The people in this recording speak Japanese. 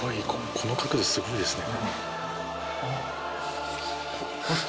この角度すごいですね。